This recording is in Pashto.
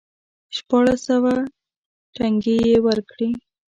شپاړس سوه ټنګې یې ورکړې.